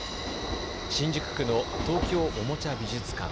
新宿区の東京おもちゃ美術館。